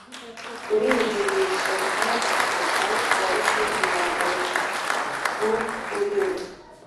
uririmbisha bihagije ariko wabuze umwabaro wu rurimi